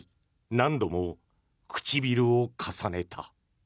何度も唇を重ねた。